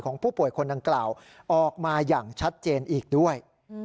ผู้ป่วยคนดังกล่าวออกมาอย่างชัดเจนอีกด้วย